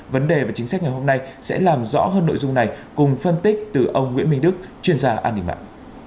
vấn đề và chính sách ngày hôm nay sẽ làm rõ hơn nội dung này cùng phân tích từ ông nguyễn minh đức chuyên gia an ninh mạng